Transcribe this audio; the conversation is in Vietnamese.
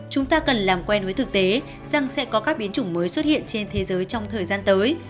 chúng ta cần làm quen với thực tế rằng sẽ có các biến chủng mới xuất hiện trên thế giới trong thời gian tới